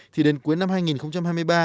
thì đến cuối năm hai nghìn hai mươi ba